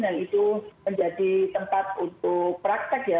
itu menjadi tempat untuk praktek ya